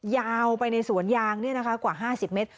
ยาวไปในสวนยางเนี่ยนะคะกว่าห้าสิบเมตร